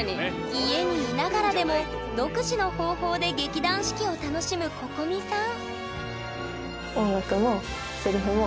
家にいながらでも独自の方法で劇団四季を楽しむここみさん